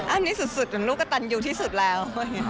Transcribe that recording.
อันนี้สุดจนลูกกระตันยูที่สุดแล้ว